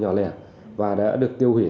nhỏ lẻ và đã được tiêu hủy